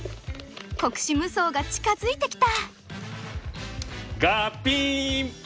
国士無双が近づいてきた。